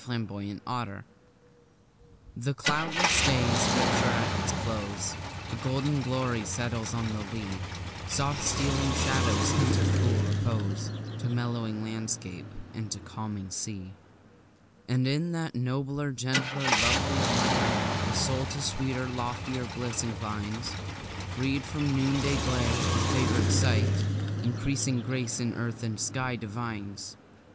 Lovecraft The cloudless day is richer at its close; A golden glory settles on the lea; Soft stealing shadows hint of cool repose To mellowing landscape, and to calming sea. And in that nobler, gentler, lovelier light, The soul to sweeter, loftier bliss inclines; Freed from the noonday glare, the favour'd sight Increasing grace in earth and sky divines.